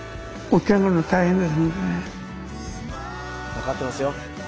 分かってますよ。